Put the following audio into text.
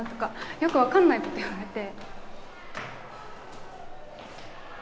よく分かんないこと言われて